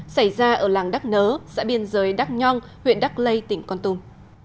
xảy ra ở làng đắc nớ xã biên giới đắc nhong huyện đắc lây tỉnh con tum